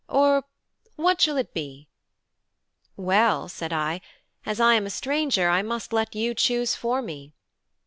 or what shall it be?" "Well," said I, "as I am a stranger, I must let you choose for me."